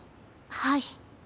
はい。